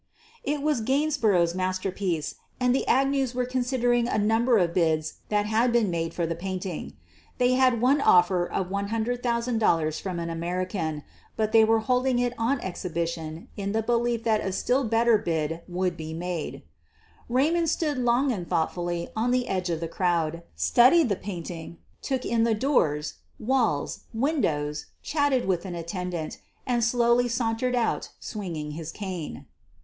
It was Gainsborough's masterpiece, and the Ag news were considering a number of bids that had been made for the painting. They had one offer of $100,000 from an American, but they were hold ing it on exhibition in the belief that a still better bid would be made. QUEEN OF THE BURGLAES 49 Raymond stood long and thoughtfully on the edge of the crowd, studied the painting, took in the doors, walls, windows, chatted with an attendant, and slowly sauntered out, swinging his cane.